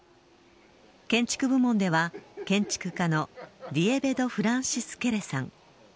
建築部門では建築家のディエベド・フランシス・ケレさん